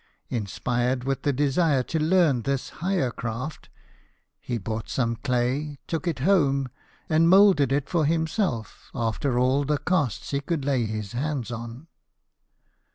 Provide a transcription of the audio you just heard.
Inspired with the desire to learn this higher craft, he bought some clay, took it home, and moulded it for himself after all the casts he could lay his hands on.